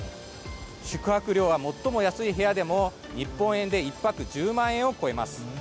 宿泊料は最も安い部屋でも日本円で１泊１０万円を超えます。